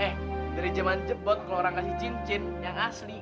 eh dari zaman jebot kalau orang kasih cincin yang asli